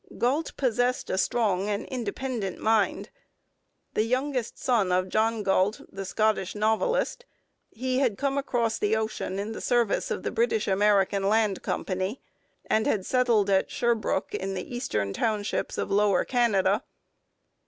Galt possessed a strong and independent mind. The youngest son of John Galt, the Scottish novelist, he had come across the ocean in the service of the British American Land Company, and had settled at Sherbrooke in the Eastern Townships of Lower Canada.